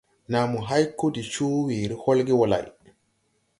Naa mo hay ko de coo weere holge wo lay.